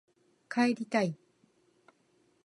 帰りたい